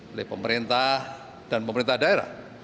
oleh pemerintah dan pemerintah daerah